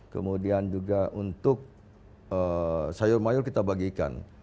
kemudian juga untuk sayur mayur kita bagikan